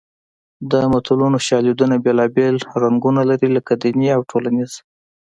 د متلونو شالیدونه بېلابېل رنګونه لري لکه دیني او ټولنیز